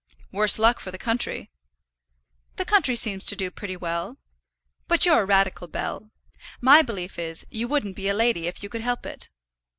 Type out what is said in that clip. "Worse luck for the country." "The country seems to do pretty well. But you're a radical, Bell. My belief is, you wouldn't be a lady if you could help it."